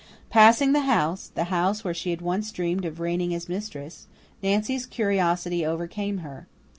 Passing the house the house where she had once dreamed of reigning as mistress Nancy's curiosity overcame her.